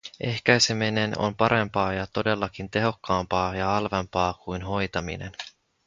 Ehkäiseminen on parempaa ja todellakin tehokkaampaa ja halvempaa kuin hoitaminen.